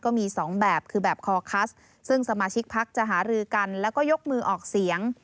ก็มีสองแบบคือแบบคอคัสซึ่งสมาชิกพักจะหารือกันแล้วก็ยกมือออกเสียง